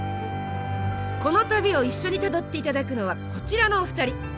この旅を一緒にたどっていただくのはこちらのお二人。